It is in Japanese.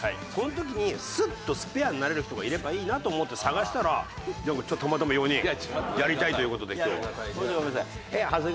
こういう時にスッとスペアになれる人がいればいいなと思って探したらたまたま４人やりたいという事で今日は。